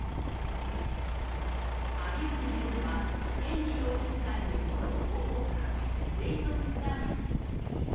鍵を握るのは、ヘンリー王子夫妻の元広報官、ジェイソン・クナウフ氏。